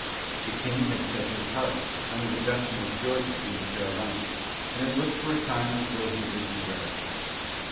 The King had set his heart on the reduction of Georgia and the Carolinas, and it looked for a time as though he would be gratified.